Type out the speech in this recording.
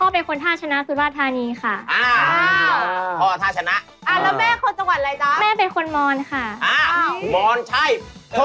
ต้องเป็นเกลียวอะไรการเนี่ยโอ้โฮไม่ได้ข้อมูลเลย